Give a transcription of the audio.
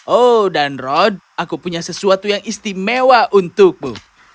oh dan rod aku punya sesuatu yang istimewa untukmu